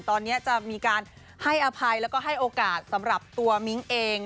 ตอนนี้จะมีการให้อภัยแล้วก็ให้โอกาสสำหรับตัวมิ้งเอง